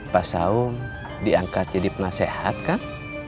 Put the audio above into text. pak saum diangkat jadi penasehat kak